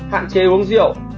hạn chế uống rượu